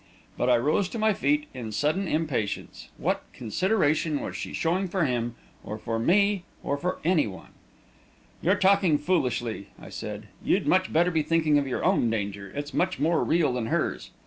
But I rose to my feet in sudden impatience; what consideration was she showing for him or for me or for anyone? "You're talking foolishly," I said. "You'd much better be thinking of your own danger; it's much more real than hers."